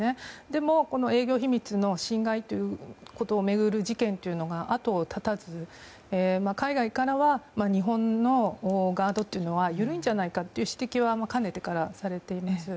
でも、この営業秘密の侵害ということを巡る事件というのが後を絶たず、海外からは日本のガードは緩いんじゃないかという指摘はかねてからされています。